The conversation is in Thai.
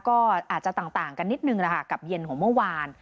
ก็อาจจะต่างต่างกันนิดหนึ่งนะคะกับเย็นของเมื่อวาน